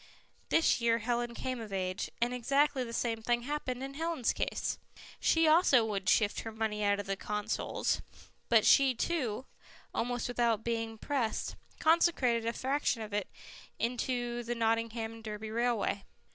This year Helen came of age, and exactly the same thing happened in Helen's case; she also would shift her money out of Consols, but she, too, almost without being pressed, consecrated a fraction of it to the Nottingham and Derby Railway.